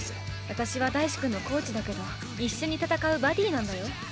私は大志くんのコーチだけど一緒に戦うバディなんだよ。